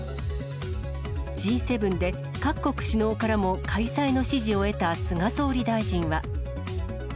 Ｇ７で、各国首脳からも開催の支持を得た菅総理大臣は。